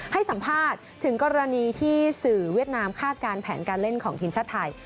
ให้สัมภาษณ์ถึงกรณีที่สื่อเวียดนามคาดการณ์แผนการเล่นของทีมชาติไทย